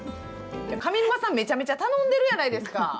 上沼さん、めちゃめちゃ頼んでるやないですか。